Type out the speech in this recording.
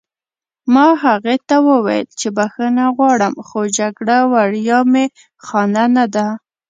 ما هغې ته وویل چې بښنه غواړم خو جګړه وړیا می خانه نه ده